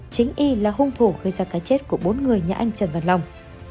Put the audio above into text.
chính y là hung thủ gây ra cái chết của bốn người nhà anh trần văn long